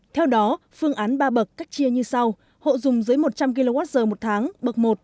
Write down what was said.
theo đó phương án ba bậc cách chia như sau hộ dùng dưới một trăm linh kwh một tháng bậc một